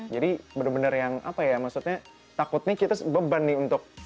jadi benar benar yang apa ya maksudnya takutnya kita beban nih untuk